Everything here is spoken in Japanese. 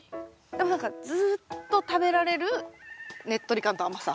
でも何かずと食べられるねっとり感と甘さ。